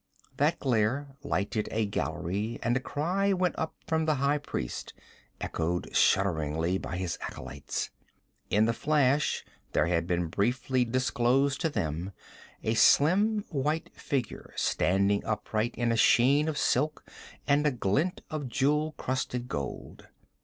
That glare lighted a gallery and a cry went up from the high priest, echoed shudderingly by his acolytes. In the flash there had been briefly disclosed to them a slim white figure standing upright in a sheen of silk and a glint of jewel crusted gold.